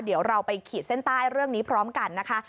เดี๋ยวเราไปขีดเส้นใต้เรื่องนี้พร้อมกันนะคะ